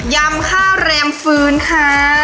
ยำข้าวแรมฟื้นค่ะ